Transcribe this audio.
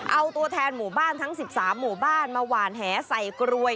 เอาตัวแทนหมู่บ้านทั้ง๑๓หมู่บ้านมาหวานแหใส่กรวย